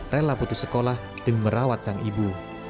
rela putus sekolah dan merawat sang ibu